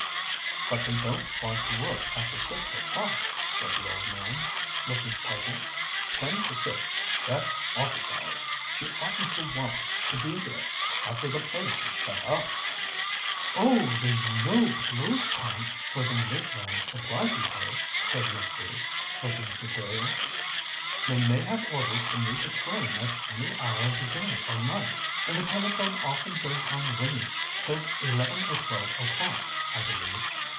"But they don't want to work after six o'clock," said the old man, looking puzzled. "Ten to six that's office hours. She oughtn't to want to be there after the place is shut up." "Oh, there's no 'close time' for the Midland Supply Depôt," said Miss Bruce, looking superior. "They may have orders to meet a train at any hour of the day or night, and the telephone often goes on ringing till eleven or twelve o'clock, I believe.